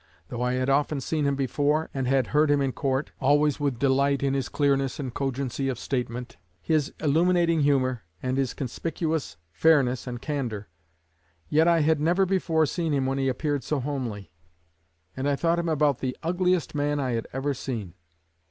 Though I had often seen him before, and had heard him in court always with delight in his clearness and cogency of statement, his illuminating humor, and his conspicuous fairness and candor yet I had never before seen him when he appeared so homely; and I thought him about the ugliest man I had ever seen.